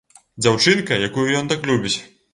Дзяўчынка, якую ён так любіць!